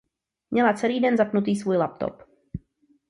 Měla celý den zapnutý svůj laptop.